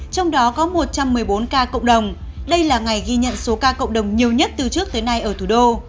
trong đó có một trăm một mươi bốn ca cộng đồng đây là ngày ghi nhận số ca cộng đồng nhiều nhất từ trước tới nay ở thủ đô